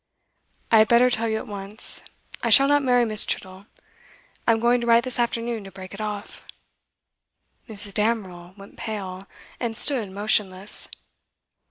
'I had better tell you at once. I shall not marry Miss. Chittle. I am going to write this afternoon to break it off.' Mrs. Damerel went pale, and stood motionless.